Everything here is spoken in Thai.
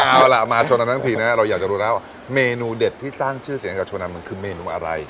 เอาล่ะมาชนนั้นทั้งทีนะเราอยากจะรู้แล้วว่าเมนูเด็ดที่สร้างชื่อเสียงให้กับชนันมันคือเมนูอะไร